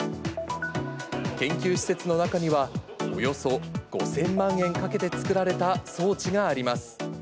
研究施設の中には、およそ５０００万円かけて作られた装置があります。